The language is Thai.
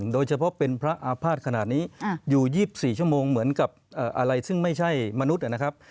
โดยเฉพาะเป็นพระอาภาษณ์ขนาดนี้อยู่๒๔ชั่วโมงเหมือนกับอะไรซึ่งไม่ใช่มนุษย์นะครับ